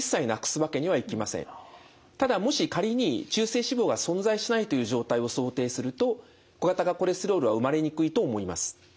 ただもし仮に中性脂肪が存在しないという状態を想定すると小型化コレステロールは生まれにくいと思います。